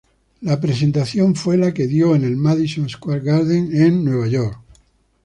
La presentación fue la que dio en el Madison Square Garden en Nueva York.